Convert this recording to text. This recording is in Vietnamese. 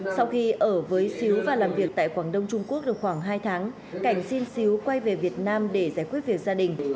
sau khi ở với xíu và làm việc tại quảng đông trung quốc được khoảng hai tháng cảnh xin xíu quay về việt nam để giải quyết việc gia đình